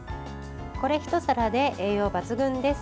これひと皿で栄養抜群です。